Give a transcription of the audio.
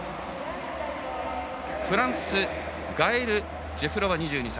フランスのガエル・ジェフロワ、２２歳。